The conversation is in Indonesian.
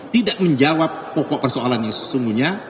tidak menjawab pokok persoalan yang sesungguhnya